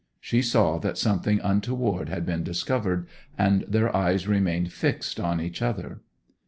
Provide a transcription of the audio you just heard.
She saw that something untoward had been discovered, and their eyes remained fixed on each other.